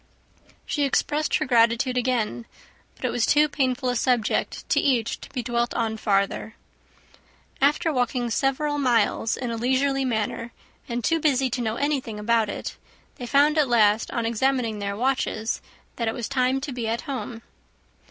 She expressed her gratitude again, but it was too painful a subject to each to be dwelt on farther. After walking several miles in a leisurely manner, and too busy to know anything about it, they found at last, on examining their watches, that it was time to be at home.